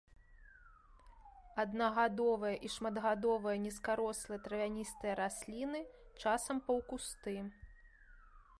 Аднагадовыя і шматгадовыя нізкарослыя травяністыя расліны, часам паўкусты.